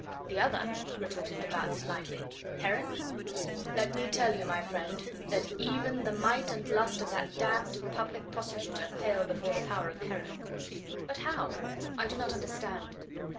"The other?" retorted de Batz lightly. "Heron? Let me tell you, my friend, that even the might and lust of that damned Public Prosecutor pale before the power of Heron!" "But how? I do not understand."